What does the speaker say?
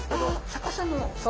逆さの？